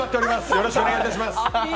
よろしくお願いします！